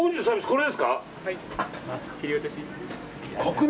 これですか。